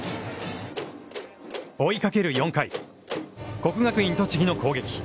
追いかける４回、国学院栃木の攻撃。